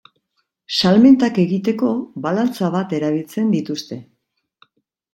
Salmentak egiteko balantza bat erabiltzen dituzte.